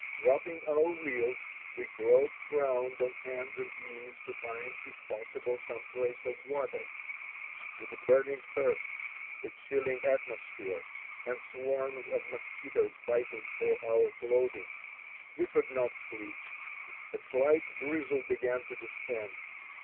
Dropping our wheels, we groped round on hands and knees, to find, if possible, some trace of water. With a burning thirst, a chilling atmosphere, and swarms of mosquitos biting through our clothing, we could not sleep. A slight drizzle began to descend.